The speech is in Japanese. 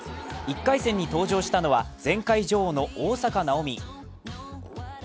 １回戦に登場したのは前回女王の大坂なおみ。